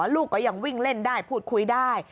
ลูกก็ยังวิ่งเล่นได้พูดคุยได้